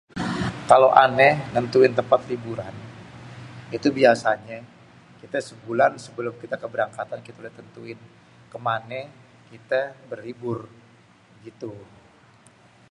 kalo ane nentuin tempat liburan. itu biasanye kita sebulan sebelum kita keberangkatan kita udah tentuin kemané kité berlibur gitu.